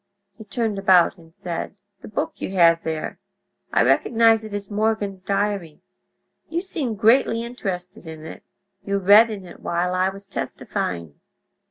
He turned about and said: "The book that you have there—I recognize it as Morgan's diary. You seemed greatly interested in it; you read in it while I was testifying.